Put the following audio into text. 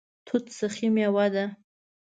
توت سخي میوه ده